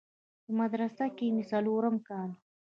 په مدرسه کښې مې څلورم کال و.